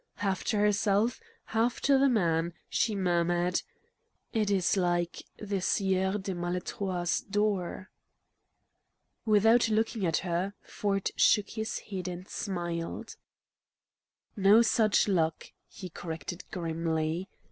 Half to herself, half to the man, she murmured: "It is like 'The Sieur de Maletroit's Door."' Without looking at her, Ford shook his head and smiled. "No such luck," he corrected grimly.